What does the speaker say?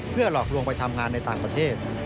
หลอกลวงไปทำงานในต่างประเทศ